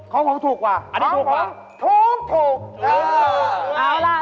ของผมถูกก่อนอันนี้ถูกค่ะหมูหวานพอนทิพย์สวรรค์